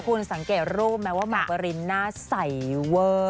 คุณสังเกตรูปไหมว่าหมากปรินหน้าใสเวอร์